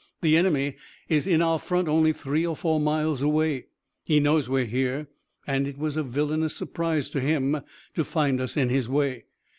The enemy is in our front only three or four miles away. He knows we're here and it was a villainous surprise to him to find us in his way.